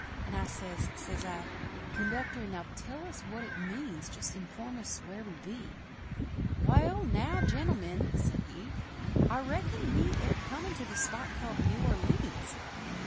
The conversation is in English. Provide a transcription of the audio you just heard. And I says, says I, "Conductor, now tell us what it means, Just inform us where we be?" "Wall, now, gentlemen," said he, "I reckon we air comin' to the spot called New Or leéns!"